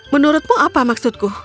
menurutmu apa maksudku